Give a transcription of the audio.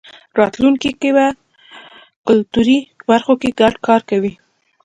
راتلونکی کې به کلتوري برخو کې ګډ کار کوی.